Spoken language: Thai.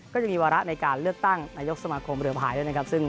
ก็จะมีวาระในการเลือกตั้งนายกสมาคมเรือภายด้วยนะครับ